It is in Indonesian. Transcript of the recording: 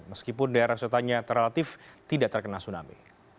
meskipun daerah selatanya terrelatif tidak terkena tsunami